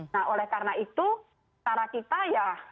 nah oleh karena itu cara kita ya